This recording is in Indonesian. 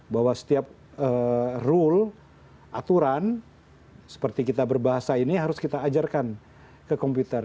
bahwa setiap rule aturan seperti kita berbahasa ini harus kita ajarkan ke komputer